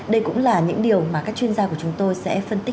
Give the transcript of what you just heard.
đây cũng là những điều mà các chuyên gia của chúng tôi sẽ phải tìm hiểu